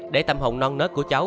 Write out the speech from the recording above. để tâm hồn non nớt của cháu